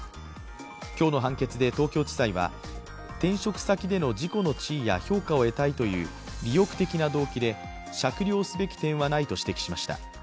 今日の判決で東京地裁は転職先での自己の地位や評価を得たいという利欲的な動機で酌量すべき点はないと指摘しました。